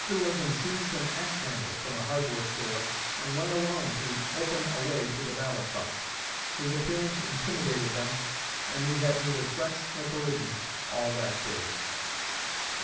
Lincoln seized an axe handle from a hardware store and went alone to open a way to the ballot box. His appearance intimidated them, and we had neither threats nor collisions all that day."